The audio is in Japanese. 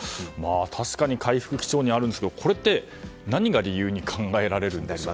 確かに回復基調にあるんですがこれって、何が理由に考えられるんでしょうか。